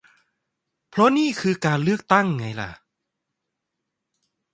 เพราะนึ่คือการเลือกตั้งไงล่ะ